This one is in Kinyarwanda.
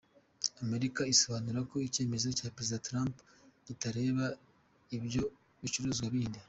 Amerika isobanura ko icyemezo cya Perezida Trump kitareba ibyo bicuruzwa bindi.